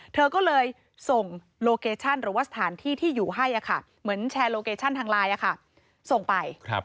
เธอก็เลยส่งโลเคชั่นหรือว่าสถานที่ที่อยู่ให้เหมือนแชร์โลเคชั่นทางไลน์ส่งไป